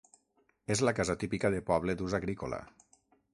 És la casa típica de poble d'ús agrícola.